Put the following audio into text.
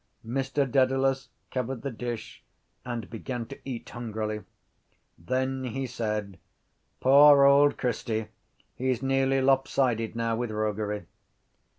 Mr Dedalus covered the dish and began to eat hungrily. Then he said: —Poor old Christy, he’s nearly lopsided now with roguery.